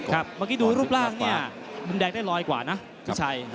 เมื่อกี้ดูรูปร่างเนี่ยมุมแดงได้ลอยกว่านะพี่ชัย